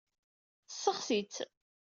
Tessexsi-tt.